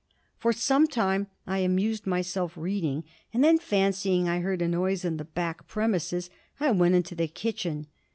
For some time I amused myself reading, and then, fancying I heard a noise in the back premises, I went into the kitchen.